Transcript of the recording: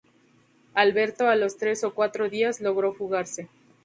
Alberto a los tres o cuatro días logró fugarse.